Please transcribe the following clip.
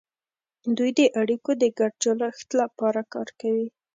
دوی د اړیکو د ګډ جوړښت لپاره کار کوي